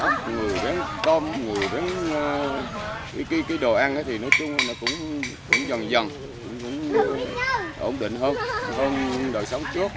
người đến con người đến cái đồ ăn thì nói chung nó cũng dần dần cũng ổn định hơn không đòi sống chốt